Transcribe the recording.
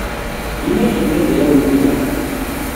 Dima iḥemmel ad iɛawen wiyaḍ.